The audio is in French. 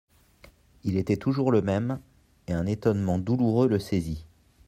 Il était toujours le même ; et un étonnement douloureux le saisit.